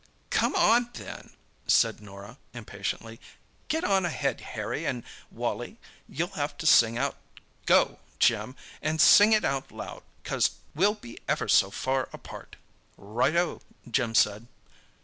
"Come on, then," said Norah, impatiently. "Get on ahead, Harry and Wally; you'll have to sing out 'Go!' Jim, and sing it out loud, 'cause we'll be ever so far apart." "Right oh!" Jim said.